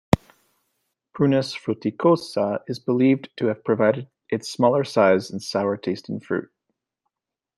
"Prunus fruticosa" is believed to have provided its smaller size and sour tasting fruit.